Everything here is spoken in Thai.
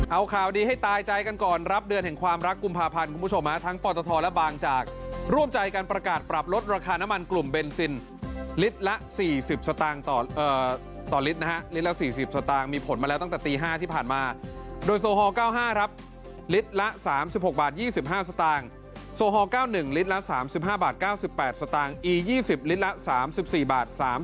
เอาข่าวดีให้ตายใจกันก่อนรับเดือนแห่งความรักกุมภาพันธ์คุณผู้ชมทั้งปตทและบางจากร่วมใจกันประกาศปรับลดราคาน้ำมันกลุ่มเบนซินลิตรละ๔๐สตางค์ต่อลิตรนะฮะลิตรละ๔๐สตางค์มีผลมาแล้วตั้งแต่ตี๕ที่ผ่านมาโดยโซฮอล๙๕ครับลิตรละ๓๖บาท๒๕สตางค์โซฮอล๙๑ลิตรละ๓๕บาท๙๘สตางค์อี๒๐ลิตรละ๓๔บาท